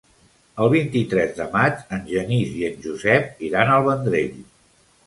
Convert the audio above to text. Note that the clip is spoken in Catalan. El vint-i-tres de maig en Genís i en Josep iran al Vendrell.